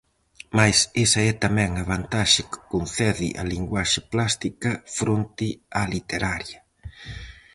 Mais esa é tamén a vantaxe que concede a linguaxe plástica fronte á literaria.